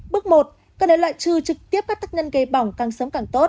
bước một cần để loại trừ trực tiếp các tắc nhân gây bỏng càng sớm càng tốt